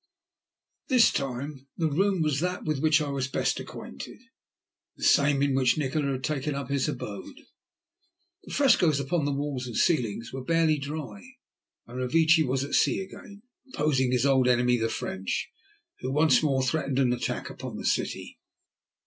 This time the room was that with which I was best acquainted, the same in which Nikola had taken up his abode. The frescoes upon the walls and ceilings were barely dry, and Revecce was at sea again, opposing his old enemy the French, who once more threatened an attack upon the city.